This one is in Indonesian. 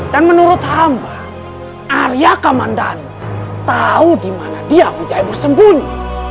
dan menurut hamba arya kamandan tahu di mana dia menjahit bersembunyi